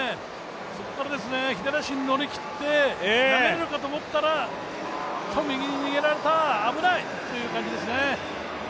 そこから左足に乗り切って投げられるかと思ったら右に逃げられた危ない！という感じですね。